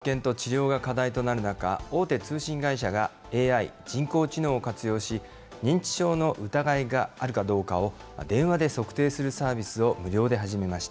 認知症の早期発見と治療が課題となる中、大手通信会社が、ＡＩ・人工知能を活用し、認知症の疑いがあるかどうかを電話で測定